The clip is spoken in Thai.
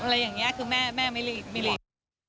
อีกอย่างละทีแม่ไม่หลีก